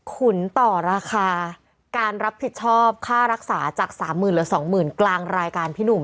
ขุนต่อราคาการรับผิดชอบค่ารักษาจาก๓๐๐๐เหลือ๒๐๐๐กลางรายการพี่หนุ่ม